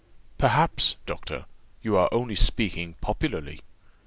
"Perhaps, doctor, you are only speaking popularly?"